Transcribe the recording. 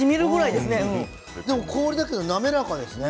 氷だけど滑らかですね。